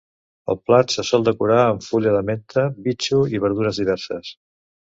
El plat se sol decorar amb fulla de menta, bitxo i verdures diverses.